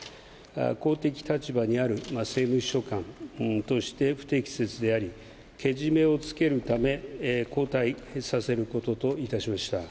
公的立場にある政務秘書官として、不適切であり、けじめをつけるため、交代させることといたしました。